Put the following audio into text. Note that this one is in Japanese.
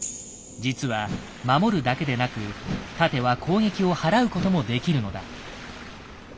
実は守るだけでなく盾は攻撃をはらうこともできるのだ。